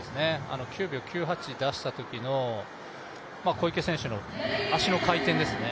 ９秒９８出したときの小池選手の足の回転ですね。